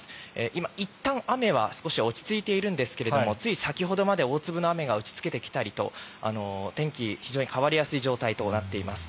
今、いったん雨は少し落ち着いているんですがつい先ほどまで大粒の雨が打ちつけてきたりと天気が非常に変わりやすい状態となっています。